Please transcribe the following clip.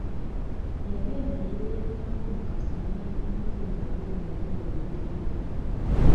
Yagenda ne yeeyanikako mu kasana anti nga awulira empewo emuyitiriddeko.